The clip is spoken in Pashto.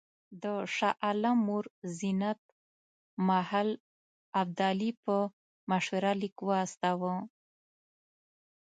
د شاه عالم مور زینت محل ابدالي په مشوره لیک واستاوه.